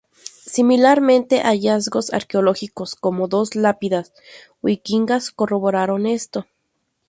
Similarmente, hallazgos arqueológicos, como dos lápidas vikingas, corroboran esto.